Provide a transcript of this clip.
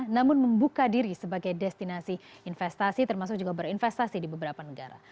namun membuka diri sebagai destinasi investasi termasuk juga berinvestasi di beberapa negara